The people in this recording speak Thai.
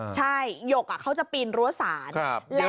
ใช่หยกเขาจะปีนรั้วศาล